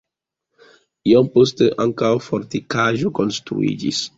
Iom poste ankaŭ fortikaĵo konstruiĝis.